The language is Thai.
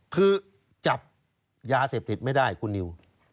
คือจับยาเสพติดไม่ได้คุณนิว